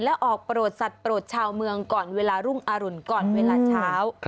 และออกโปรดสัตว์โปรดชาวเมืองก่อนเวลารุ่งอรุณก่อนเวลาเช้า